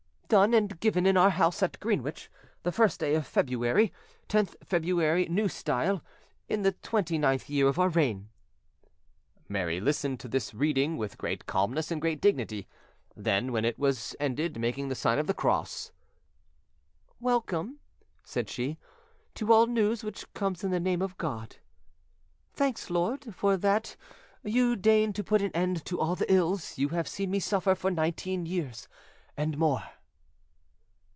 "Done and given in our house at Greenwich, the first day of February (10th February New Style), in the twenty ninth year of our reign." Mary listened to this reading with great calmness and great dignity; then, when it was ended, making the sign of the cross— "Welcome," said she, "to all news which comes in the name of God! Thanks, Lord, for that You deign to put an end to all the ills You have seen me suffer for nineteen years and more."